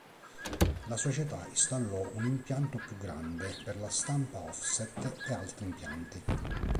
La società installò una impianto più grande per la stampa offset e altri impianti.